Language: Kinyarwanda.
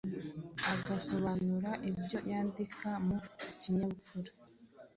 agasobanura ibyo yandika mu kinyabupfura.